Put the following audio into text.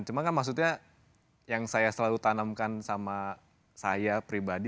cuma kan maksudnya yang saya selalu tanamkan sama saya pribadi